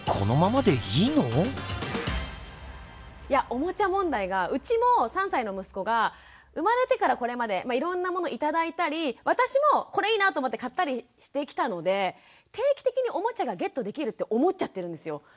いやおもちゃ問題がうちも３歳の息子が生まれてからこれまでいろんなもの頂いたり私もこれいいなと思って買ったりしてきたので定期的におもちゃがゲットできるって思っちゃってるんですよ。